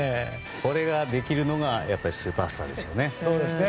これができるのがスーパースターですよね。